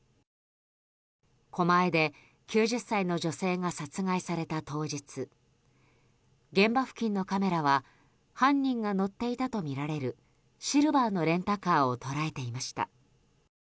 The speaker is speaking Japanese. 狛江で９０歳の女性が殺害された当日現場付近のカメラは犯人が乗っていたとみられるシルバーのレンタカーを捉えていました。